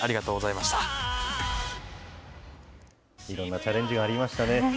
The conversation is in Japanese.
いろんなチャレンジがありましたね。